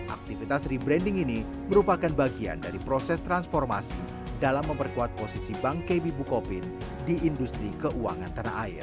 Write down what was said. aktivitas rebranding ini merupakan bagian dari proses transformasi dalam memperkuat posisi bank kb bukopin di industri keuangan tanah air